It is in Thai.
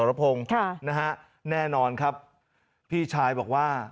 แล้วนะฮะแน่นอนครับพี่ชายบอกว่า